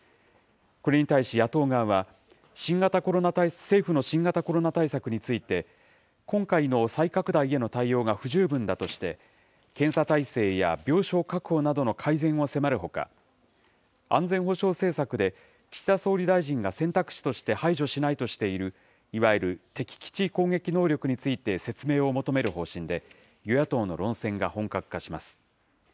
これに対し野党側は、政府の新型コロナ対策について、今回の再拡大への対応が不十分だとして、検査体制や病床確保などの改善を迫るほか、安全保障政策で、岸田総理大臣が選択肢として排除しないとしている、いわゆる敵基地攻撃能力について説明を求める方針で、与野党の論戦が本格化します。